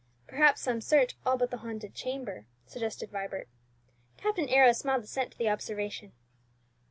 "Perhaps some search all but the haunted chamber," suggested Vibert. Captain Arrows smiled assent to the observation.